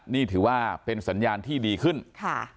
นี่ถือว่าเป็นสัญญาณที่ดีขึ้นค่ะ